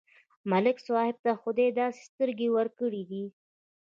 ملک صاحب ته خدای داسې سترګې ورکړې دي،